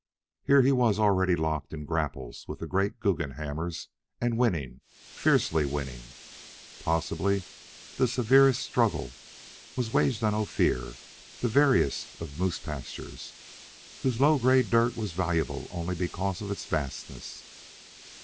Here he was already locked in grapples with the great Guggenhammers, and winning, fiercely winning. Possibly the severest struggle was waged on Ophir, the veriest of moose pastures, whose low grade dirt was valuable only because of its vastness.